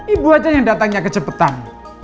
ibu aja yang datangnya kecepatan